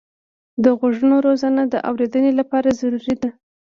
د غوږو روزنه د اورېدنې لپاره ضروري ده.